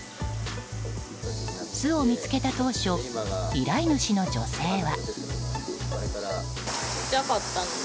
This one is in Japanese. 巣を見つけた当初依頼主の女性は。